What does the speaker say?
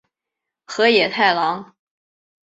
河野太郎。